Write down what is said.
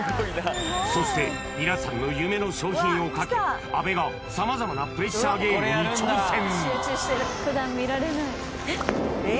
そして皆さんの夢の賞品をかけ阿部が様々なプレッシャーゲームに挑戦！